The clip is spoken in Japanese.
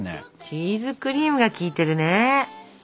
チーズクリームが効いてるね。